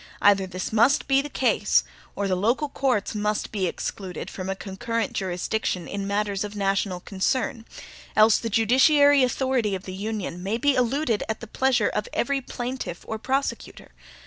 Either this must be the case, or the local courts must be excluded from a concurrent jurisdiction in matters of national concern, else the judiciary authority of the Union may be eluded at the pleasure of every plaintiff or prosecutor.